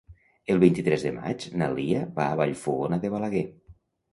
El vint-i-tres de maig na Lia va a Vallfogona de Balaguer.